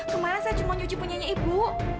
kemarin saya cuma nyuci penyanyinya ibu